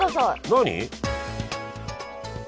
何？